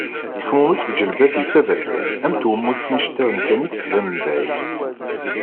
Teknuneḍ deg uǧilbab-is aberkan am twemmust n yiceṭṭiḍen kan i d-tettban mebɛid.